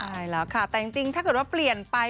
ใช่แล้วค่ะแต่จริงถ้าเกิดว่าเปลี่ยนไป